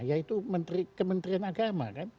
yaitu kementerian agama